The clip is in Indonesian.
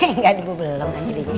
enggak bu belum